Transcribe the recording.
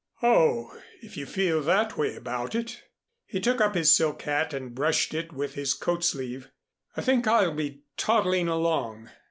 "Oh, if you feel that way about it " He took up his silk hat and brushed it with his coat sleeve. "I think I'll be toddling along."